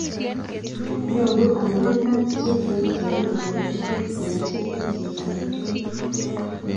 nyoru ang'erindo che kikicheru eng' boisie ko nachi biikchich amitwigik